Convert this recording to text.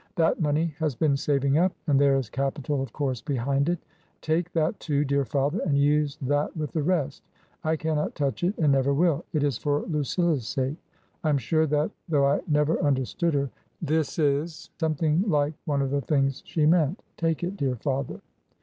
" That money has been saving up, and there is capital of course behind it. Take that, too, dear father, and use that with the rest. I cannot touch it, and never will. It is for Lucilla's sake. I am sure that — though I never under stood her — ^this is something like one of the things she meant. Take it, dear father